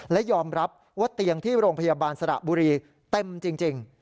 และยอมรับว่าเตียงที่โรงพยาบาลสระบุรีเต็มจริง